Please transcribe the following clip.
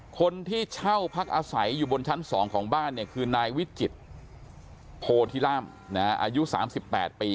คนที่เช่าพักอาศัยอยู่บนชั้น๒ของบ้านเนี่ยคือนายวิจิตรโพธิล่ามอายุ๓๘ปี